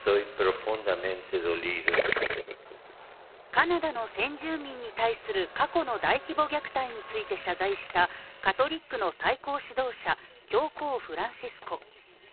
カナダの先住民に対する過去の大規模虐待について謝罪したカトリックの最高指導者教皇フランシスコ